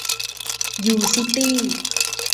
ยู ซิตี้